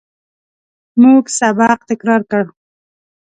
موږ سبق تکرار کړ.